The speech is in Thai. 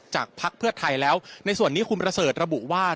พักเพื่อไทยแล้วในส่วนนี้คุณประเสริฐระบุว่า